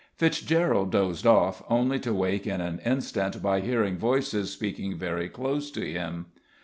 Fitzgerald dozed off, only to wake in an instant by hearing voices speaking very close to him.